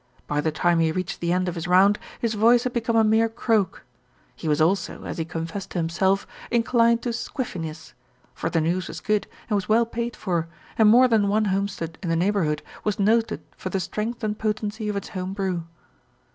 By the time he reached the end of his round, his voice had become a mere croak. He was also, as he confessed to himself, in clined to "squiffiness"; for the news was good and was well paid for, and more than one homestead in the neighbourhood was noted for the strength and potency of its home brew.